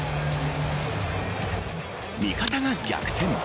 味方が逆転。